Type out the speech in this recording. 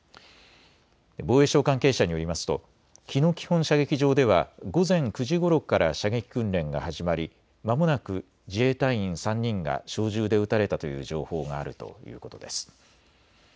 防衛省関係者によりますと日野基本射撃場では午前９時ごろから射撃訓練が始まり、まもなく自衛隊員３人が小銃で撃たれたという情報があるということです。